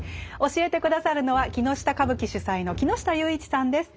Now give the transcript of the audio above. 教えて下さるのは木ノ下歌舞伎主宰の木ノ下裕一さんです。